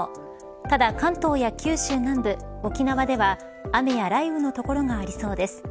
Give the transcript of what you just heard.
ただ関東や九州南部、沖縄では雨や雷雨の所がありそうです。